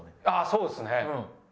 ああそうですね。